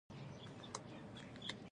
هر څوک چې بښي، الله یې بښي.